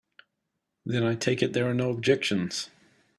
Then I take it there are no objections.